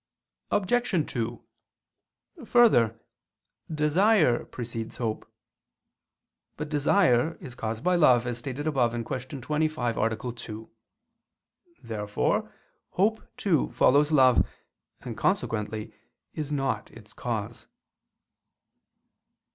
Obj. 2: Further, desire precedes hope. But desire is caused by love, as stated above (Q. 25, A. 2). Therefore hope, too, follows love, and consequently is not its cause.